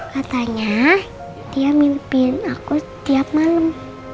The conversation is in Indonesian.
katanya dia mimpiin aku tiap malem